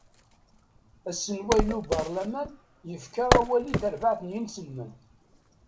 Aselway n ubarlaman yefka awal i terbaɛt n isenslmen.